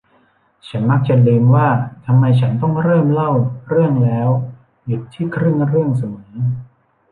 ฉันมักจะลืมว่าทำไมฉันต้องเริ่มเล่าเรื่องแล้วหยุดที่ครึ่งเรื่องเสมอ